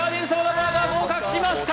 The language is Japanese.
バーガー合格しました